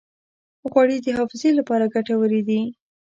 غوړې د حافظې لپاره ګټورې دي.